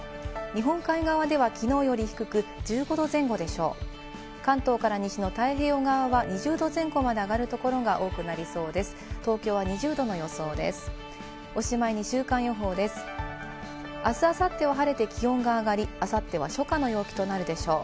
日本海側ではきのうより低く１５度前後でしょう。